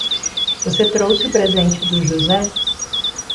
Você trouxe o presente do José?